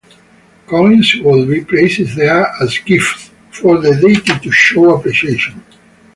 Coins would be placed there as gifts for the deity to show appreciation.